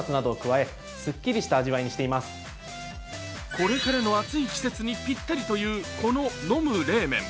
これからの暑い季節にぴったりという、この飲む冷麺。